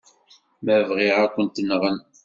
Ma bɣiɣ, ad kent-nɣen.